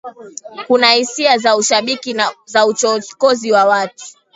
kuna hisia za ushabiki za uchokozi wa watu